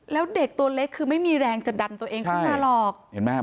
แล้วเด็กตัวเล็กคือไม่มีแรงจะดันตัวเองขึ้นมาหรอกเห็นไหม